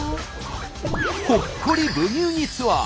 ほっこり「ブギウギ」ツアー。